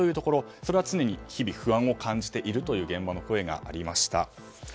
それは常に日々不安を感じているという現場の声がありました。